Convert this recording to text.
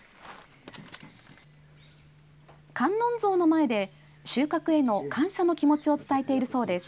観音像の前で収穫への感謝の気持ちを伝えているそうです。